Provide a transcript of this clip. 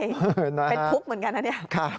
เป็นทุกข์เหมือนกันนะเนี่ย